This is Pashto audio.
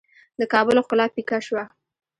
د کابل ښکلا پیکه شوه.